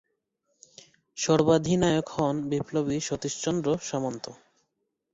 সর্বাধিনায়ক হন বিপ্লবী সতীশচন্দ্র সামন্ত।